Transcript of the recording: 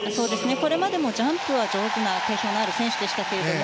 これまでもジャンプは上手な定評のある選手でしたけれども。